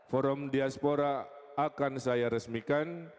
forum diaspora akan saya resmikan